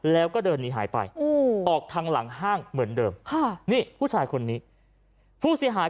แล้วก็เดินหนีหายไปออกทางหลังห้างเหมือนเดิมนี่ผู้ชายคนนี้ผู้เสียหาย